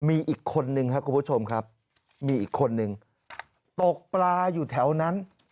มีอีกคนนึงครับคุณผู้ชมครับมีอีกคนนึงตกปลาอยู่แถวนั้น